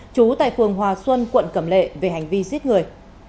trú tại phường hòa xuân quận cẩm lệ về hành vi giết người